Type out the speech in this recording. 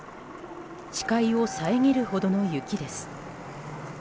視界を遮るほどの雪です。